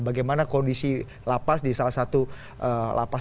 bagaimana kondisi lapas di salah satu lapas